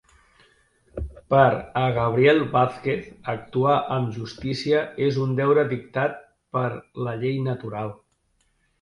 Per a Gabriel Vázquez actuar amb justícia és un deure dictat per la llei natural.